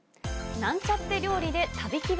なんちゃって料理で旅気分。